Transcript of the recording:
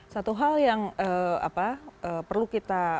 satu hal yang perlu kita